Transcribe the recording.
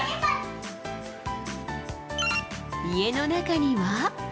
家の中には。